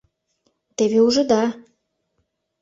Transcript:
Теве ужыда.